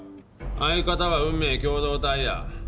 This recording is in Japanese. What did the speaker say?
相方は運命共同体や。